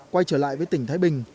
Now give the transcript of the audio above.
quay trở lại với tỉnh thái bình